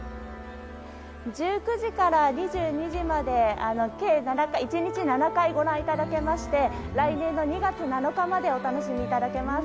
１９時から２２時まで、一日７回ご覧いただけまして、来年の２月７日までお楽しみいただけます。